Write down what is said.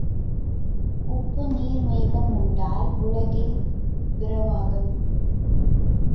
உப்பு நீர் மேகம் உண்டால் உலகில் பிரவாகம்.